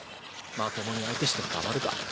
まともに相手してたまるか。